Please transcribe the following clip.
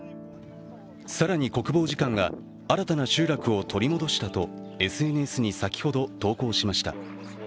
更に国防次官が新たな集落を取り戻したとＳＮＳに先ほど、投稿しました。